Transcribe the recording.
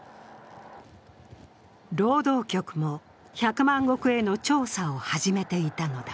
労働局も百万石への調査を始めていたのだ。